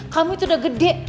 kamu itu udah gede